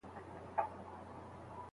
د درواغو پر بنسټ جوړه سوې نکاح نه پايي.